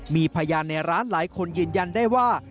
มีพยานในร้านหลายคนยืนยันได้ว่า